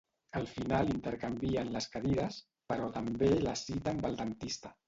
Al final intercanvien les cadires, però també la cita amb el dentista.